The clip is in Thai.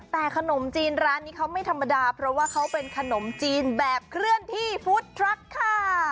แต่ขนมจีนร้านนี้เขาไม่ธรรมดาเพราะว่าเขาเป็นขนมจีนแบบเคลื่อนที่ฟู้ดทรัคค่ะ